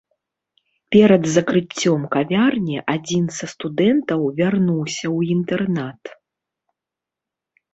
Перад закрыццём кавярні адзін са студэнтаў вярнуўся ў інтэрнат.